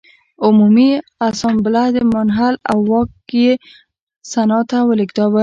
عمومي اسامبله منحل او واک یې سنا ته ولېږداوه.